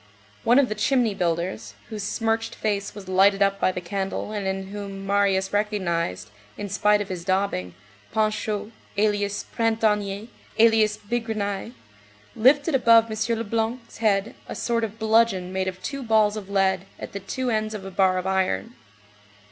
One of the "chimney builders," whose smirched face was lighted up by the candle, and in whom Marius recognized, in spite of his daubing, Panchaud, alias Printanier, alias Bigrenaille, lifted above M. Leblanc's head a sort of bludgeon made of two balls of lead, at the two ends of a bar of iron.